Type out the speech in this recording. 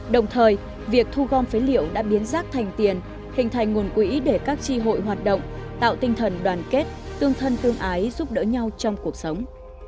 đồng thời việc thu gom phế liệu đã biến rác thành tiền hình thành nguồn quỹ để các tri hội hoạt động tạo tinh thần đoàn kết tương thân tương ái giúp đỡ nhau trong cuộc sống